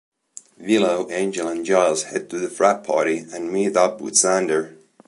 Willow, Angel and Giles head to the frat party and meet up with Xander.